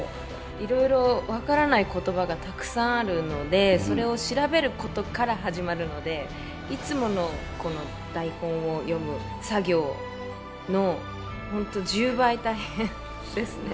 いろいろ分からない言葉がたくさんあるのでそれを調べることから始まるのでいつものこの台本を読む作業の本当１０倍大変ですね。